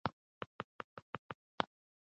که موږ جشن ولمانځو نو د ازادۍ حس پياوړی کيږي.